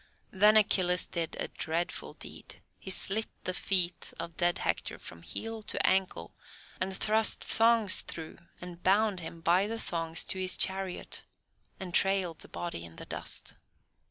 Then Achilles did a dreadful deed; he slit the feet of dead Hector from heel to ankle, and thrust thongs through, and bound him by the thongs to his chariot and trailed the body in the dust.